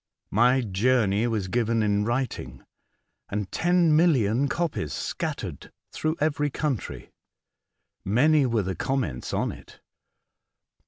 My journey was given in writing, and ten million copies scattered through every country. Many were the com ments on it.